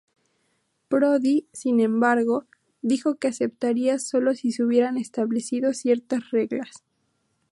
Prodi, sin embargo, dijo que aceptaría solo si se hubieran establecido ciertas reglas.